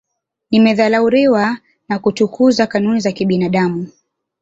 zimedharauliwa na kutukuza kanuni za kibinadamu